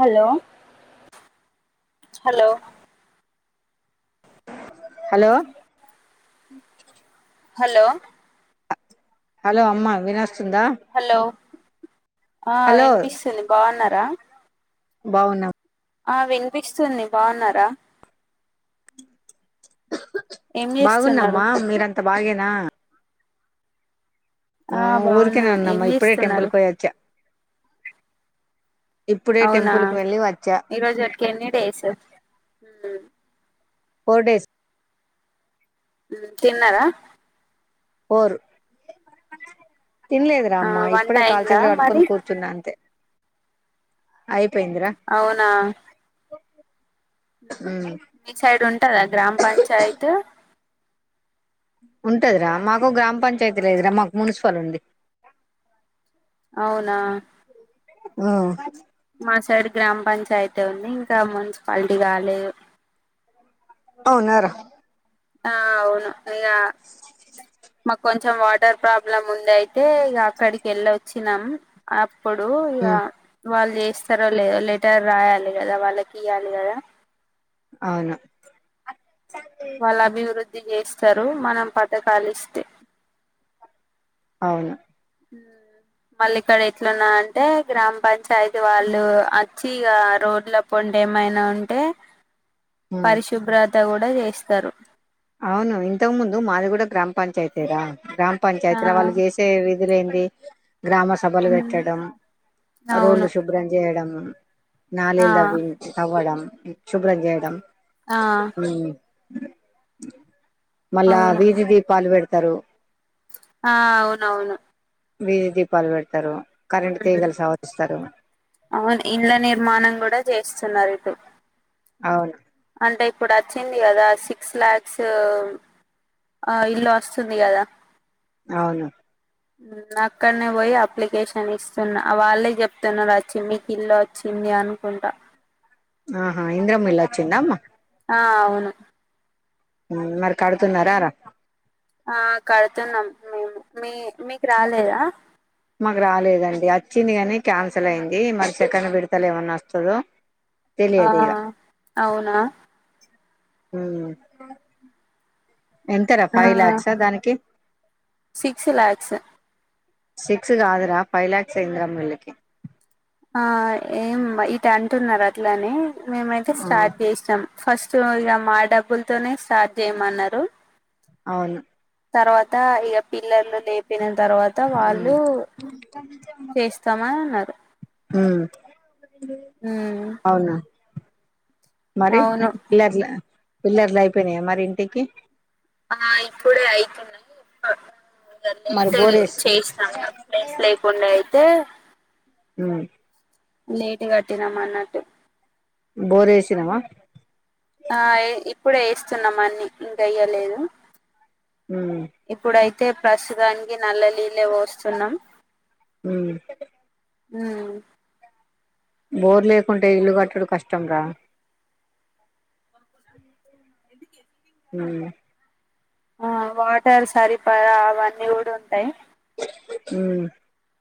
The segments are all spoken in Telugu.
Hollow hello hello hello hello అమ్మా వినాస్ స్తుందా హలో ఆ వినిపిస్తుంది బాగున్నారా బావున్నా ఆ వినిపిస్తుంది బాగున్నారా ఏం చేస్తున్నారు బాగున్నమ్మా మీరంతా బాగేనా ఆ ఊరికనే బాగున్నాం ఏం ఉన్నామ్మా ఇప్పుడే టెంపుల్ చేస్తున్నారు కోయచ్చ అవునా టెంపుల్ కి వెళ్ళి వచ్చా ఈరోజటికి ఎన్ని డేస్ హ్మ్ ఫోర్ డేస్ మ్మ్ తిన్నారా పోరు తిన్లేదు ఆ రామ్మా వంట ఇప్పుడే అయిందా కాల్చేతులు కడుక్కొని మరి కూర్చున్నా అంతే అయిపోయిందిరా అవునా ఉమ్ హ్మ్ మీ సైడ్ ఉంటదా గ్రామ్ పంచాయిత్ ఉంటదిరా మాకు గ్రామ పంచాయతీ లేదురా మాకు మున్సిపల్ ఉంది అవునా హ్మ్ అయితే ఉంది ఇంకా మున్సిపాలిటీ కాలేదు టవున్నారు ఆ అవును ఇగ మాకు కొంచెం వాటర్ ప్రాబ్లమ్ ఉంది అయితే ఇగ అక్కడికేల్లొచ్చినం. ప్పుడు ఇగ ఉమ్ వాళ్ళు జేస్తారో లేదో లెటర్ రాయాలి గద వాళ్ళకీయాలి గద అవును వాళ్ళ అభివృద్ధ్ ది జేస్తరు మనం పథకాలిస్తే అవును హ్మ్ పళ్ళీకాడ ఎట్లున్నాదంటే గ్రామ్ పంచాయతీ వాళ్ళు అచ్చి ఈగ రోడ్ల పోండే ఏమైనా ఉంటే హ్మ్ పరిశుభ్రత కూడా చేస్తారు అవును ఇంతకు ముందు మాది గూడ గ్రామ్ పంచయతేర గ్రాం ఆ పంచాయతీల వాళ్ చేసే విధులే దె గ్రామ సభలు ఉమ్ పెట్టడం అవును రోళ్లు శుభ్రం చేయడం హమ్ ఆ నాలేళ్దవి తవ్వడం శుభ్రం చేయడం ఆ హ్మ్ మళ్ళా అవును విధి దీపాలు పేడితే తరు ఆ అవునవును విధి దీపాలు పెడతారు కరెంట్ హ్మ్ తీగలు సవరిస్తారు అవును ఇళ్ల నిర్మాణం కూడ చేస్తున్నారు ఇటు అవును అంటే ఇప్పుడు అచ్చింది కదా సిక్స్ లాక్స్ ఇల్లు ఒస్తుంది గదా అవును ఊమ్ అక్కడనే వొయి అప్లికేషన్ ఇస్తున్నా వాళ్ళే జెప్తున్నారు వచ్చి మీకు ఇల్ల్లో ఒచ్చింది అనుకుంటా ఆహా ఇంద్రమలచ్చింద అమ్మా ఆ అవును ఉ మరి కడుతున్నారా రా ఆ కడుతున్నాం మేము మీ మీకు రాలేదా మాకు రాలేదండి అచ్చింది గనీ క్యాన్సల్ అయింది మరి సెకను విడతల ఏమన్నా అస్తదో ఆ అవునా ఊమ్ ఎంతర ఆ ఫై లాక్సా దానికి సిక్స్ ల్యాక్స్ సిక్స్ గాదురా ఫైవ్ ల్యాక్ ఇందిరమ్మ ఇల్లుకి ఆ ఏం ఇటు అంటున్నారు అట్లనే మేమైతే ఆ స్టార్ట్ జేస్నమ్ ఫస్ట్ ఇక మా డబ్బుల తోనే స్టార్ట్ జేయమన్నారు అవును తర్వాత ఇగ పిల్లర్లు లేపినం తర్వాత వాళ్ళు ఉమ్ చేస్తామని అన్నారు హ ఉమ్ అవునా మరి అవును ఇలట్ల పిల్లర్లు అయిపోయినయా మరి ఇంటికి ఆ ఇప్పుడే అయితునయ్ ఒక మరి లేట్ బోరేసి చేస్తాం ప్లేస్ లేకుండే అయితే ఉ నేట్ కట్టినామన్నట్టు బోర్ ఏసినవా ఆ ఇప్పుడే ఏస్తున్నాం అన్ని ఇంకెయ్యలేదు ఉమ్ ఇప్పుడయి టే ప్రసుతానికి నల్ల నీళ్ళ ఒస్తున్నాం ఉమ్ ఊ బోర్ లేకుంటే ఇల్లు కట్టడం కష్టం రా ఊ ఆ వాటర్ సరిపడ అవన్నీ గూడ ఉంటయ్ ఊ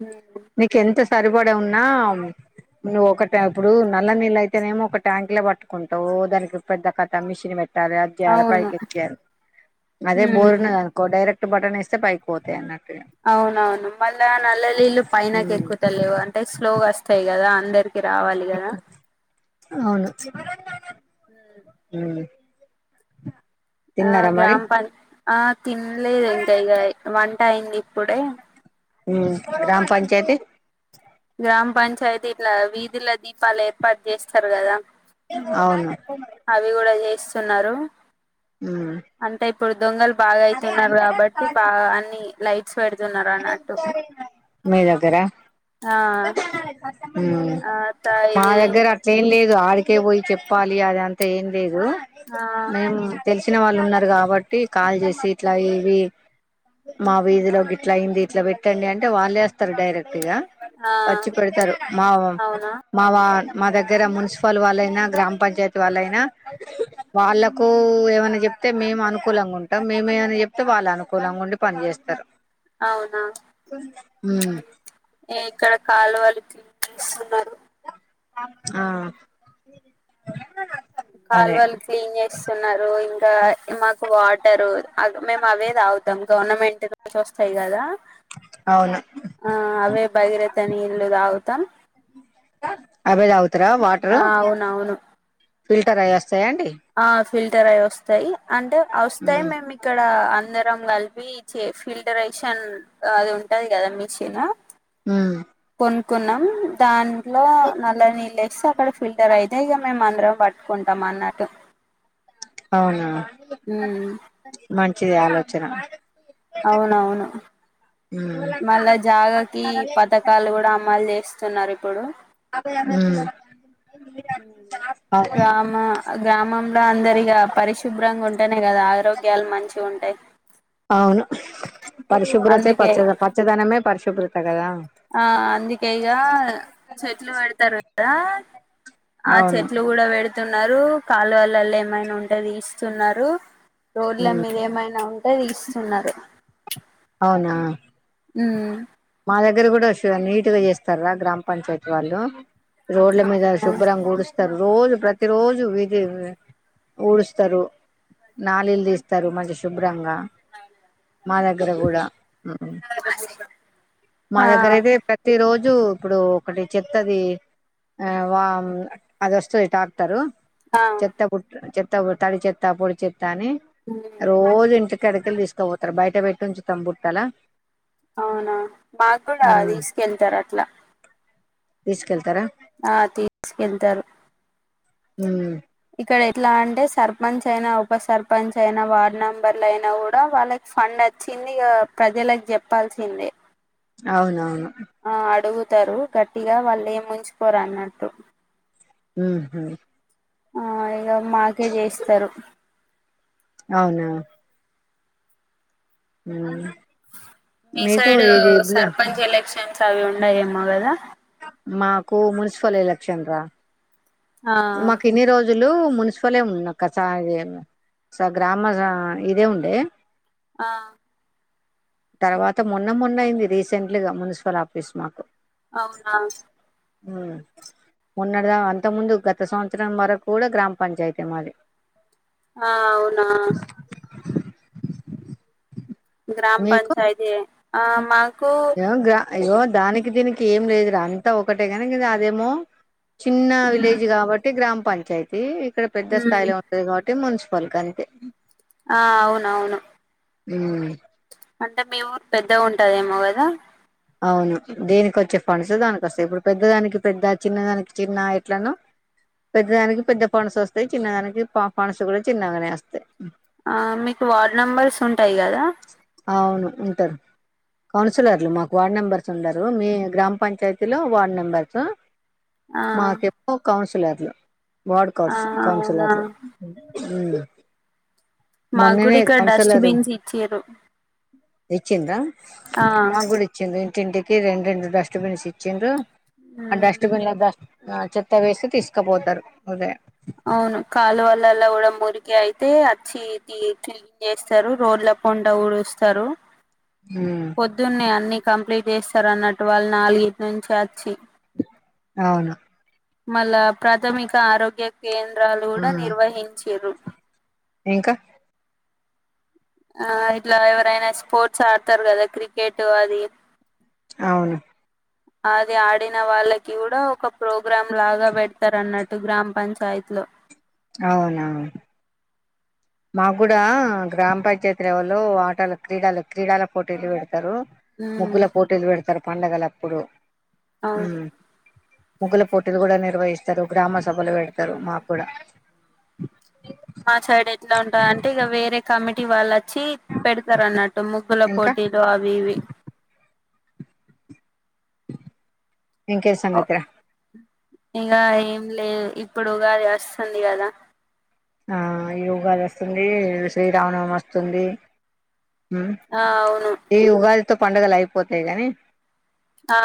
హ సరిపడి ఉన్నా నువ్వు ఒకట ఇప్పుడు నల్ల నీళ్ళ అయితేనేమో ఒక ట్యాంక్ లో వట్టుకుంటవు దానికి పెద్ద కథ మిషన్ వెట్ టదా అవును జారపైకి ఎక్కారు అదే ఉమ్ బోర్డు న కో డెరెక్ట్ ట్ బటన్ ఏస్తే పైకి పోతాయి అన్న అవున ఆ నుమ్మల్నే నల్లలిల్లు పైనకి ఉమ్ ఎక్కుతలేవు అంటే స్లోగొస్తాయ్ గదా అందరు కి రావాలి కదా ఇంకా అవును మ్మ్ [inaudible] ఆ మరి గ్రామ పం ఆ తినలేదు ఇంకా ఇగ వంట అయింది ఇప్పుడే మ్మ్ గ్రామ పంచాయతి గ్రామ పంచాయతీ ఇట్లా వీధుల దీపాలు ఏర్పాటు చేస్తారు కదా అవును ఇస్తున్నారు మ్మ్ పడు దొంగలు బాగా అయితున్నారు కాబట్టి బాగా అన్ని లైఫ్ చ్ పెడుతున్నారన్నట్టు మీ దగ్గర మ్మ్ ఆ త మా ఇది దగ్గర అట్లేం లేదు ఆడికే పోయి చెప్పాలి అదంతా ఏం లేదు ఆ మ్మ్ తెలుసు తినవాళ్ళు ఉన్నారు కాబట్టి కాల్ చేసి ఇట్లా ఏవి మా వీధిలో ఇట్లయింది ఇట్లా పెట్టండంటే వాళ్లే వస్తరు డైరె టిగా ఆ వచ్చి పెడతారు మావం అవునా మా వా మా దగ్గర మున్సిపల్ వాళ్ళైనా గ్రామ పంచాయతీ వాళ్ళైనా వాళ్ళకు ఏమైనా చెప్తే మేము అనుకూలంగా ఉంటాం మేమేమనా చెప్తే వాళ్ళు అనుకూలంగా ఉండి పనిచేస్తరు అవునా ఉ ఏ ఇక్కడ కాలువలు [inaudible] ఇస్తున్నారు ఆ అదే కాలువలు క్లీన్ చేస్తున్నారు ఇన్ దా ఇ మాకు వాటరు అగ్ మేము అవే తాగుతాం గవర్నమెంట్ నుంచి వస్తాయి కదా అవును ఆ అవే బగిర తని ఇల్లుదా తం అవే గా త్ర వాటర్ అవునవును ఫిల్టర్య చేయండి ఆ ఫిల్టర్ అయి వస్తయి అంటే వస్తాయి ఉమ్ మేము ఇక్కడ అందరం కలిపి ఫిల్టరేషన్ అది ఉంటది కదా మిషిను హ్మ్ అనుకున్నాం దాన్ లో నల్ నీల్ అక్కడ ఫిల్టర్ అయితే ఇగ మేం మందరం పట్టుకుంటాం అన్నట్టు అవునా హ్మ్ మంచి ఆలోచన అవునవును ఉమ్ మళ్ళా జాగకి పథకాలు కూడ అమ్మాలు జె ఇస్తున్నారు ఇప్పుడు హ్మ్ గ్రామ గ్రామంలో అందరిగా పరిశుభ్రంగా ఉం అంటనే కదా ఆరోగ్యాలు మంచి ఉంటాయి అవును పరిశుభ్రతే ప అందుకే పచ్చదనమే పరిశుభ్రత కదా ఆ అందుకేగా చెట్లు పెడతారు కదా ఆ అవును చెట్లు గుడ వేడ తున్నారు కాళ్లువళ్ళలో ఏమైన ఉంటే థీస్తున్నారు రోడ్ల మీద ఏమైనా తో తీస్తున్నరు అవునా హ్మ్మ్ మా దగ్గర కూడ వస్ నీట్గా చేస్తారా గ్రామ పంచాయతీ వాళ్ళు రోడ్ల మీద శుభ్రంగ వూడుస్తారు రోజు ప్రతి రోజు విధి ఊడుస్తరు నళీళ్లు తీస్తారు మంచి శుభ్రంగ మా దగ్గర గుడ మా ఆ దగ్గర అయితే ప్రతి రోజు రోజు ఇప్పుడు ఒకటి చెత్తది అది వస్తది టాక్టరు ఆ చెత్త బుట్ చెత్త తడి చెత్త పొడి చెత్త త్తని ఉమ్ రోజు ఇంటి కడకలు తీసుకపోతారు బయట పెట్టి ఉంచుతాం బుట్టాలా అవునా మాకు కూడా తీసుకెళ్తారు అట్లా తీసుకెళ్తారా ఆ తీసుకెళ్తారు ఉ ఇక్కడ ఎట్లా అంటే సర్పంచ్ అయినా ఉప సర్పంచ్ అయినా వార్డ్ మెంబర్లు అయినా కూడా వాళ్ళకి ఫండ్ వచ్చింది ఇగ ప్రజలకు చెప్పాల్సిందే అవునవును తారు గట్టిగా వాళ్ళేం ఉంచుకోరు అన్నట్టు అ హ ఆ ఇగ మాకే చేస్తరు అవునా ఉ మీ సైడ్ సర్పంచ్ ఎలక్షన్ అవి ఉండయేమో గదా మాకు మున్సిపల్ ఎలక్షన్ రా ఆ మాకు ఇన్ని రోజులు లు మున్సిపల్ ఉన్నా గ్రామ ఇదే ఉండే ఆ తర్వాత మొన్న మొన్న అయింది రీసెంట్ గా మున్సిపల్ ఆఫీసు మాకు అవునా ఉ మొన్న గా అంత ముందు గ గత సంవత్సరం వరకు కూడా గ్రామ పంచాయతీ మాది ఆ అవునా గ్రామ పంచాయితీ ఏ ఆ మా ఏ గ అయ్యో దానికి దీనికి ఏం లేదురా అంతా ఒకటే కానీ అదేమో చిన్న మ్మ్ విలేజ్ కాబట్టి గ్రామ పంచాయితీ ఇక్కడ పెద్ద మ్మ్ స్థాయిలో ఉంటుది కాబట్టి మున్సి ఫల్ కు అంతే ఆ అవును అవును ఉమ్ అంటే మీ ఊరు పెద్ద ఉంటదేమో కదా అవును దీనికి వచ్చే ఫండ్స్ దానికొస్తాయి ఇప్పుడు పెద్దదానికి పెద్ద చిన్నదానికి చిన్న ఎట్లనో పెద్ద దానికి పెద్ద ఫండ్స్ వస్తాయి చిన్నదానికి ప ఫండ్స్ కూడా చిన్నగానే వస్తాయి ఆ మీకు వార్డ్ నెంబర్స్ ఉంటాయి గదా అవును ఉంటరు కౌన్సిలర్లు మాక్ వార్డ్ మెంబర్స్ ఉండరు మీ గ్రామ పంచాయతీ లో వార్డ్ మెంబర్స్ ఆ మాకెప్పు కౌన్స్ లదు వార్డు ఆ కౌన్స్ అవునా కౌన్సిలర్ హుమ్ మగుడ మొన్ననే ఇక్కడ డిస్టెన్స్ ఇచిన్లు నిచ్చింద ఆ ఇంటింటికి రెండు రెండు డస్ట్బిన్స్ ఇచ్చిరు మ్మ్ డస్ట్బిన్ లను ఆ చెత్త వేసి తీసుకుపోతారు అదే పల్లెల్లో కూడా మురికి అయితే వచ్చి క్లీని చేస్తారు రోడ్ల పోంటా ఊడుస్తారు ఉమ్. పొద్దున్నే అన్ని కంప్లీట్ చేస్తారు అన్నట్టు వాళ్ళు నాలుగిటి నుంచి వచ్చి అవును మల్ల ప్రాథమిక ఆరోగ్య కేంద్రాలు ఆ కూడా నిర్వహించారు ఇంకా ఆ ఇట్లా ఎవరైనా స్పోర్ట్స్ ఆడతారు కదా క్రికెట్ అది అవును అది ఆడిన వాళ్ళకి కూడా ఒక ప్రోగ ప్రగ్రామ్ లాగా పెడతారు అన్నట్టు గ్రామ పంచాయత్ లో అవునవును మాకు కూడా గ్రామ పంచాయతీ లెవెల్లో ఆటల క్రీడలు క్రీడల పోటీలు పెడతారు తారు ఉమ్ ముగ్గుల పోటీలు పెడతారు పండుగలప్పుడు అవు ముగ్గుల పోటీలు కూడా నిర్వహిస్తారు గ్రామ సభలు ఆ పెడతారు మా కూడా మా సైడ్ ఎట్ల అన్ టా అంటే ఇగ వేరే కా కమిటీ వల్ల చీ పెడతారు అన్నట్టు ముగ్గుల ఇంకా పోటీలు అవి ఇవి ఇంకేం సంగతులు ఇగ ఏం లేదు ఇప్పుడు ఉగాది వస్తుంది కదా ఆ ఈ ఉగాది వస్తుంది శ్రీరామానవం వస్తుంది హ్మ్ ఆ అవును ఇ ఉగాది తో పండుగలు అయిపోతాయి గానీ ఆ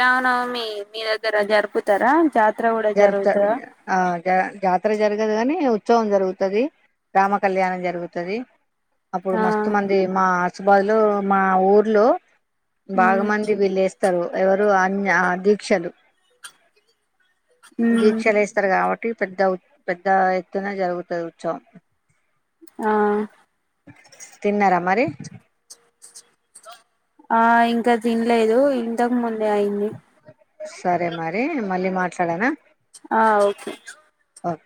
రామనవమి మీ దగ్గర జరుపుతరా జా జరుపుత ఆ జ జాతర జరగదు గని ఉచ్చవం జరుగుతది రామ కళ్యాణం జరుగుతది అప్పుడు ఆ మస్తు మంది మా పచ్చ బాదులు మా ఊర్లో ఉమ్ బాగమంది విలేజ్ స్థారూ ఎవరు అన్ దీక్షలు ఉమ్ దీక్షలేస్తరు కాబట్టి పెద్ద పెద్ద ఎత్తున జరుగుతది ఉచ్చవం ఆ తిన్నరా మరి ఆ ఇంక థిన్లేదు ఇంతకు ముందే అయింది సరే మరి మళ్ళీ మాట్లాడనా ఆ ఒకే ఒక్